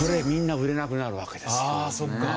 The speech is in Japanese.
ああそっか。